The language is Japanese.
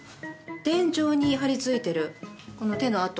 天井に張り付いてるこの手の跡